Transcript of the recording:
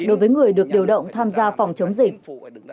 đối với người được điều động tham gia phòng chống dịch